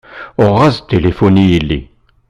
Uɣeɣ-as-d tilifun i yelli.